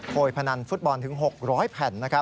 ยพนันฟุตบอลถึง๖๐๐แผ่น